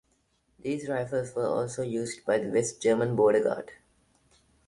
These rifles were also used by the West German border guard.